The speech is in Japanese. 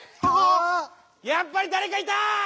やっぱりだれかいた！